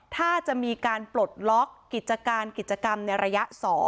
ถ้าจะมีการปลดล็อกกิจการกิจกรรมในระยะ๒